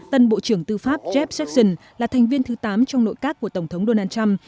tân bộ trưởng tư pháp jaff scheon là thành viên thứ tám trong nội các của tổng thống donald trump